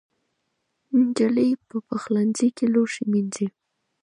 نجلۍ په پخلنځي کې لوښي مینځي.